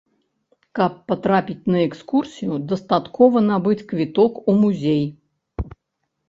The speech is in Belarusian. Каб патрапіць на экскурсію дастаткова набыць квіток у музей.